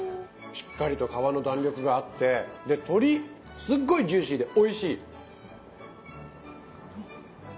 しっかりと皮の弾力があってで鶏すっごいジューシーでおいしい。